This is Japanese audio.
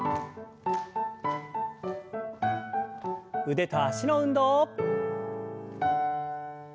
腕と脚の運動。